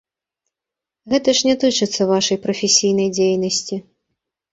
Гэта ж не тычыцца вашай прафесійнай дзейнасці.